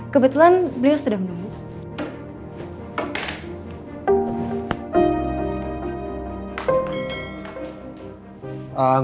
kebetulan beliau sudah menunggu